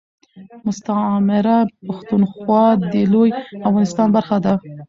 مستعمره پښتونخوا دي لوي افغانستان برخه ده